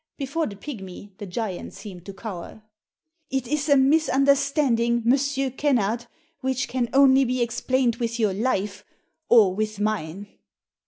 Before the pigmy the giant seemed to cower. "It is a misunderstanding, M. Kennard, which can only be explained with your life or with mine."